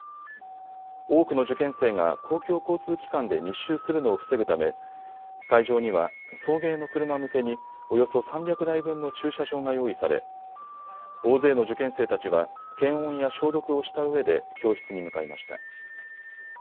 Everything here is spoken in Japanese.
多くの受験生が公共交通機関で密集するのを防ぐため会場には送迎の車向けにおよそ３００台分の駐車場が用意され、大勢の受験生たちは検温や消毒をしたうえで教室に向かいました。